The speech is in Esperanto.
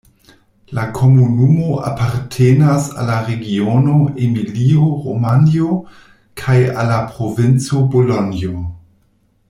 La komunumo apartenas al la regiono Emilio-Romanjo kaj al la provinco Bolonjo.